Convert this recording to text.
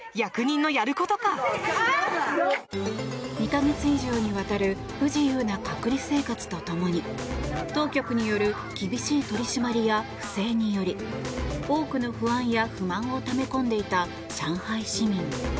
２か月以上にわたる不自由な隔離生活とともに当局による厳しい取り締まりや不正により多くの不安や不満をため込んでいた上海市民。